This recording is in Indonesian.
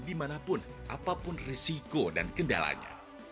di manapun apapun risiko dan kendalanya